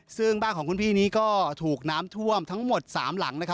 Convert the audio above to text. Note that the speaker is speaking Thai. ซึ่งบ้านของคุณพี่นี้ก็ถูกน้ำท่วมทั้งหมด๓หลัง